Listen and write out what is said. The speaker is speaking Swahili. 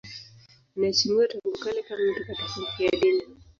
Anaheshimiwa tangu kale kama mtakatifu mfiadini.